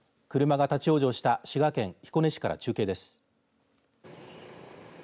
車が立往生した滋賀県彦根市から中継です。